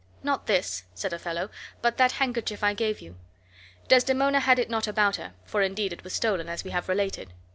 "Not this," said Othello, "but that handkerchief I gave you." Desdemona had it not about her (for indeed it was stolen, as we have related).